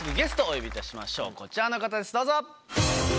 こちらの方ですどうぞ！